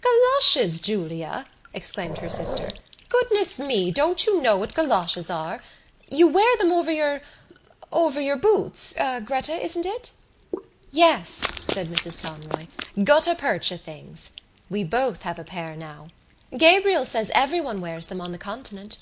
"Goloshes, Julia!" exclaimed her sister. "Goodness me, don't you know what goloshes are? You wear them over your ... over your boots, Gretta, isn't it?" "Yes," said Mrs Conroy. "Guttapercha things. We both have a pair now. Gabriel says everyone wears them on the continent."